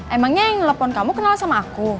emangnya yang nelfon kamu kenal sama aku